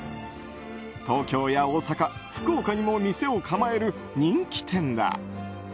東京や大阪、福岡にも店を構える人気店だ。